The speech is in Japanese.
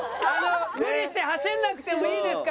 無理して走らなくてもいいですからね。